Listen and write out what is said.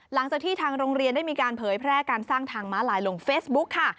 หลังจากที่ทางโรงเรียนได้มีการเผยแพร่การสร้างทางม้าลายลงเฟซบุ๊คค่ะ